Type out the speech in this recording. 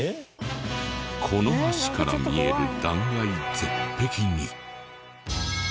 この橋から見える断崖絶壁に。